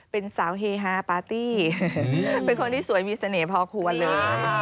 เป็นสาวเฮฮาปาร์ตี้เป็นคนที่สวยมีเสน่ห์พอควรเลย